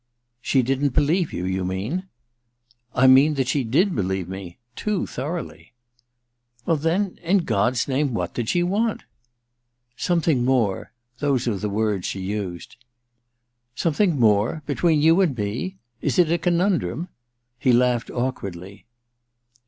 *She didn't believe you, you mean ?'^ I mean that she did believe me : too thoroughly/ * Well, then — in God's name, what did she want ?Something more — ^those were the words she used/ * Something more ? Between — ^between you and me ? Is it a conundrum ?' He laughed awkwardly.